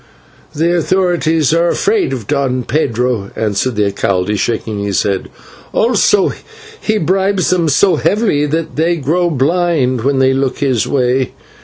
"The authorities are afraid of Don Pedro," answered the /alcalde/, shaking his head, "also he bribes them so heavily that they grow blind when they look his way.